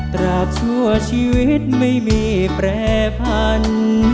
ตราบชั่วชีวิตไม่มีแปรพัน